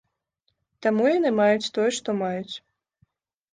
Таму яны маюць тое, што маюць.